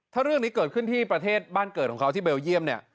ถ้าเรื่องนี้เกิดขึ้นที่ประเทศบ้านเกิดของเขาที่เบลเยี่ยมเนี่ย